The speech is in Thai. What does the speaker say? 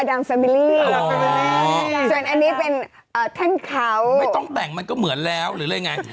จริงจะลงไอจีแล้วเนี่ย